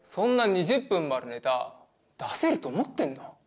２０分もあるネタ出せると思ってんの？